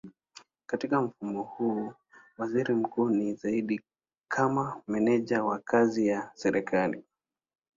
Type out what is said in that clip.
Katika mfumo huu waziri mkuu ni zaidi kama meneja wa kazi ya serikali.